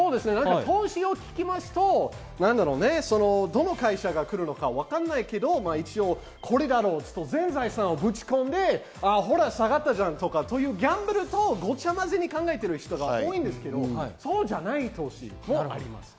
投資と聞きますと、どの会社が来るのかわからないけど、一応これだろうと全財産ぶち込んで、ほら下がったじゃんとかというギャンブルとごちゃまぜに考えてる人が多いんですけど、そうじゃない投資もあります。